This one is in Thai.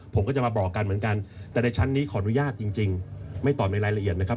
ผมก็จะมาบอกกันเหมือนกันแต่ในชั้นนี้ขออนุญาตจริงไม่ตอบในรายละเอียดนะครับ